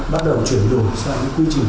bắt đầu chuyển đổi sang những quy trình